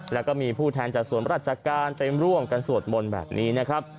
แล้วก็มีผู้แทนจากส่วนราชการไปร่วมกันสวดมนต์แบบนี้นะครับ